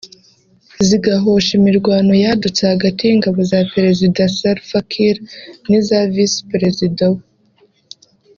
zigahosha imirwano yadutse hagati y’ingabo za Perezida Salva Kiir n’iza Visi Perezida we